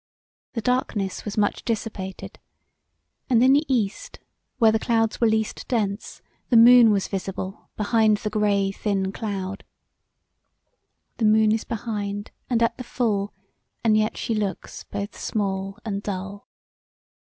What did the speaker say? The darkness was much dissipated and in the east where the clouds were least dense the moon was visible behind the thin grey cloud The moon is behind, and at the full And yet she looks both small and dull.